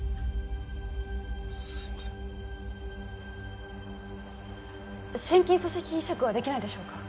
すいません心筋組織移植はできないでしょうか